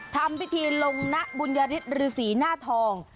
ทำพิธีลงนะบุญยฤทธิฤษีหน้าทอง